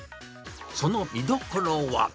その見どころは。